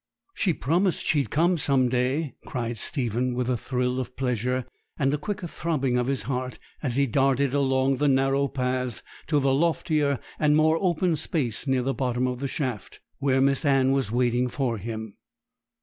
'She promised she'd come some day,' cried Stephen, with a thrill of pleasure and a quicker throbbing of his heart, as he darted along the narrow paths to the loftier and more open space near the bottom of the shaft, where Miss Anne was waiting for him.